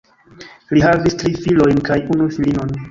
Li havis tri filojn kaj unu filinon.